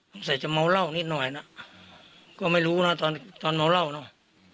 สงสัยจะเมาเหล้านิดหน่อยนะก็ไม่รู้นะตอนตอนเมาเหล้าเนอะ